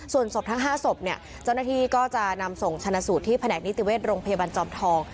ส่วนศพทั้ง๕ศพเนี่ยเจ้าหน้าที่ก็จะนำส่งชนะสูตรที่แผนกนิติเวชโรงพยาบาลจอมทอง